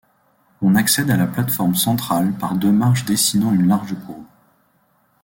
On accède à la plate-forme centrale par deux marches dessinant une large courbe.